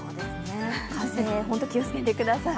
風、本当に気をつけてください